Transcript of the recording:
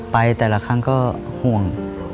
ไปแต่ละครั้งก็ห่วง